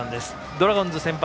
ドラゴンズ先発